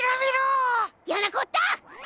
やなこった！